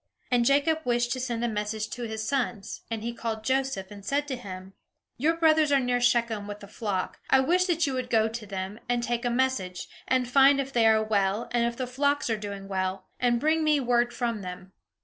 And Jacob wished to send a message to his sons, and he called Joseph, and said to him: "Your brothers are near Shechem with the flock. I wish that you would go to them, and take a message, and find if they are well, and if the flocks are doing well; and bring me word from them."